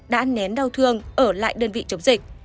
đã nén đau thương ở lại đơn vị chống dịch